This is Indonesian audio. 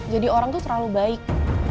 jadi orang tuh terlalu baik